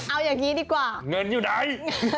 เอาอย่างนี้ดีกว่าเงินอยู่ไหน